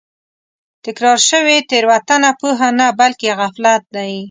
تکرار شوې تېروتنه پوهه نه بلکې غفلت دی.